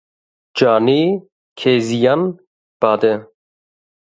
Canê Keziyan bade.